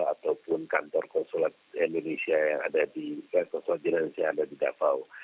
ataupun kantor konsulat indonesia yang ada di davao